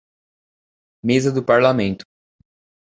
Mesa do Parlamento.